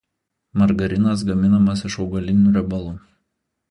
Margarinas gaminamas iš augalinių riebalų.